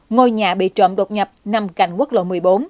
ngôi nhà bị trộm đột nhập nằm cạnh quốc lộ một mươi bốn